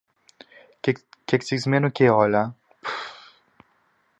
Και ξυνισμένο κιόλα! Πφφφ.